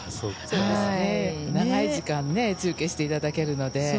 長い時間中継していただけるので。